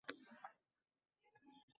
Tinch-osuda, xotirjam… Juda yaxshi!